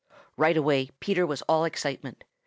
Right away Peter was all excitement.